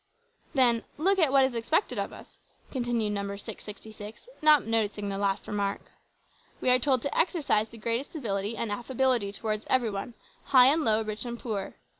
"Then, look at what is expected of us," continued Number 666, not noticing the last remark. "We are told to exercise the greatest civility and affability towards every one high and low, rich and poor.